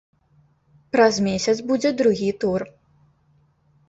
Праз месяц будзе другі тур.